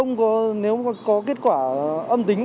nếu có kết quả âm tính